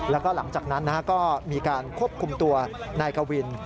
แล้วก็หลังจากนั้นก็มีการควบคุมตัวนายกวิน